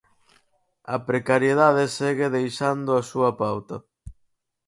A precariedade segue deixando a súa pauta.